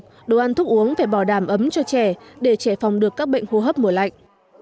cần vệ sinh tích cực đồ ăn thuốc uống phải bỏ đàm ấm cho trẻ để trẻ phòng được các bệnh hô hấp mùa lạnh